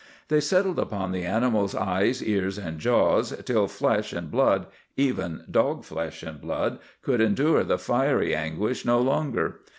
"They settled upon the animals' eyes and ears and jaws, till flesh and blood—even dog flesh and blood—could endure the fiery anguish no longer.